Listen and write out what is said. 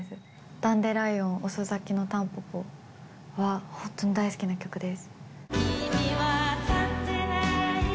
ダンデライオン遅咲きのたんぽぽは、本当に大好きな曲です。